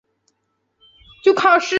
银座的小林会二代目会长。